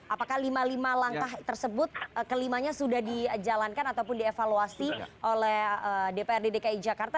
apakah lima lima langkah tersebut kelimanya sudah dijalankan ataupun dievaluasi oleh dprd dki jakarta